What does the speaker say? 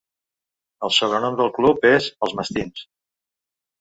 El sobrenom del club és Els mastins.